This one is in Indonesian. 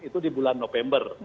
itu di bulan november